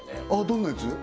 どんなやつ？